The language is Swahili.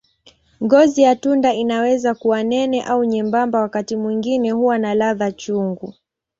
Ngozi ya tunda inaweza kuwa nene au nyembamba, wakati mwingine huwa na ladha chungu.